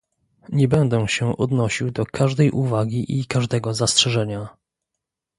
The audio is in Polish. Nie będę się odnosił do każdej uwagi i każdego zastrzeżenia